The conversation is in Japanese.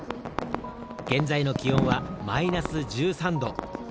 現在の気温はマイナス１３度。